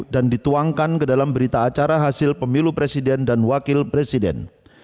dan dituangkan ke dalam berita acara hasil pemilu presiden dan wakil presiden